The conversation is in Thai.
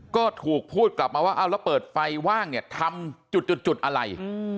ก็ถูกพูดกลับมาว่าเอาแล้วเปิดไฟว่างเนี่ยทำจุดอะไร